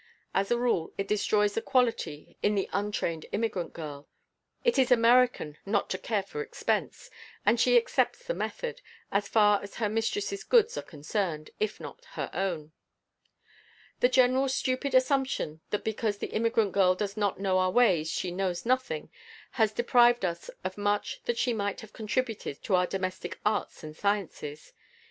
As a rule it destroys the quality in the untrained immigrant girl. It is American not to care for expense and she accepts the method as far as her mistress' goods are concerned if not her own. The general stupid assumption that because the immigrant girl does not know our ways she knows nothing, has deprived us of much that she might have contributed to our domestic arts and sciences.